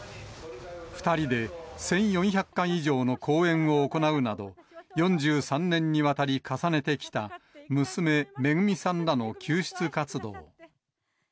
２人で１４００回以上の講演を行うなど、４３年にわたり、重ねてきた娘、めぐみさんらの救出活動。